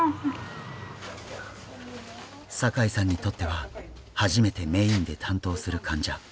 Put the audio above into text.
阪井さんにとっては初めてメインで担当する患者。